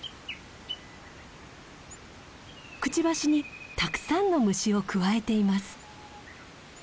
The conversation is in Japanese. くちばしにたくさんの虫をくわえています。